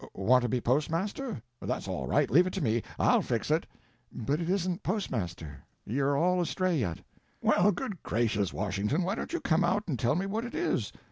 Want to be postmaster? That's all right. Leave it to me. I'll fix it." "But it isn't postmaster—you're all astray yet." "Well, good gracious, Washington, why don't you come out and tell me what it is?